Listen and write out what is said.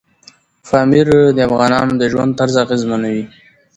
پامیر د افغانانو د ژوند طرز اغېزمنوي.